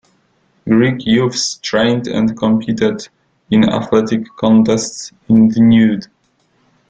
Greek youths trained and competed in athletic contests in the nude.